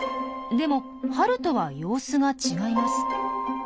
でも春とは様子が違います。